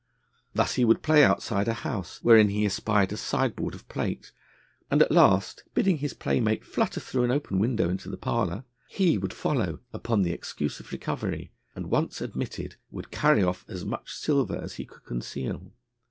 Thus he would play outside a house, wherein he espied a sideboard of plate, and at last, bidding his playmate flutter through an open window into the parlour, he would follow upon the excuse of recovery, and, once admitted, would carry off as much silver as he could conceal.